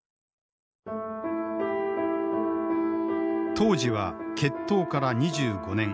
当時は結党から２５年。